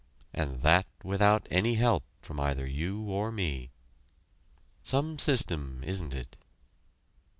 And that without any help from either you or me! Some system, isn't it?